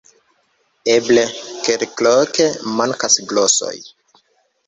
Eble, kelkloke mankas glosoj.